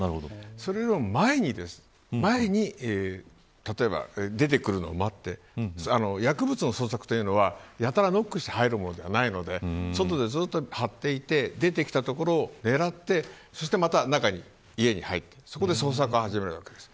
それよりも前に例えば、出てくるのを待って薬物の捜索というのは、やたらノックして入るものではないので外でずっと張っていて出てきたところを狙って、また家の中に入って捜索を始めるわけです。